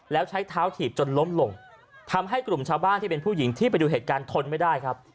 แล้วใช้เท้าถีบจนล้มลงทำให้กลุ่มชาวบ้านที่เป็นผู้หญิงที่ไปดูเหตุการณ์ทนไม่ได้ครับ